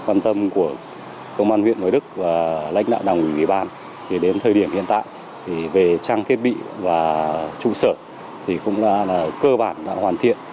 đối với công tác chuẩn bị của công an huyện hoài đức và lãnh đạo đồng ủy bàn thì đến thời điểm hiện tại thì về trang thiết bị và trung sở thì cũng là cơ bản đã hoàn thiện